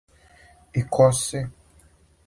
И ко си?